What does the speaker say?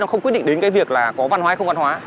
không quyết định đến cái việc là có văn hóa hay không văn hóa